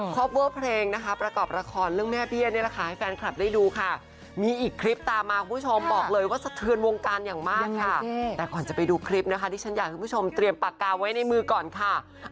คอเวอร์เพลงนะคะประกอบละครเรื่องแม่เบี้ยนเนี่ยแหละค่ะ